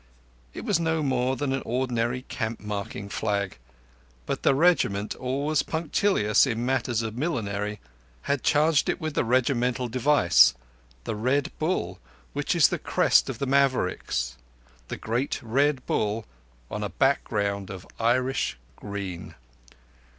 It was no more than an ordinary camp marking flag; but the regiment, always punctilious in matters of millinery, had charged it with the regimental device, the Red Bull, which is the crest of the Mavericks—the great Red Bull on a background of Irish green.